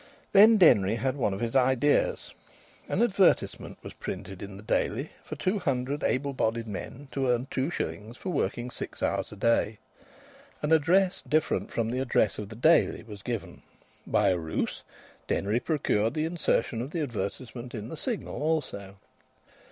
Then Denry had one of his ideas. An advertisement was printed in the Daily for two hundred able bodied men to earn two shillings for working six hours a day. An address different from the address of the Daily was given. By a ruse Denry procured the insertion of the advertisement in the Signal also.